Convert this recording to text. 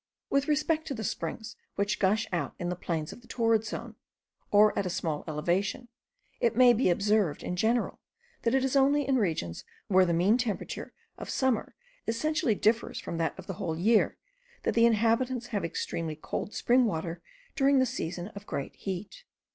With respect to the springs which gush out in the plains of the torrid zone, or at a small elevation, it may be observed, in general, that it is only in regions where the mean temperature of summer essentially differs from that of the whole year, that the inhabitants have extremely cold spring water during the season of great heat.